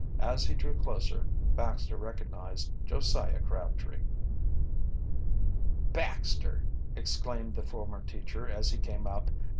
As he drew closer Baxter recognized Josiah Crabtree. "Baxter!" exclaimed the former teacher, as, he carne up.